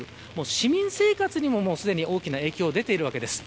市民生活にもすでに大きな影響が出ているわけです。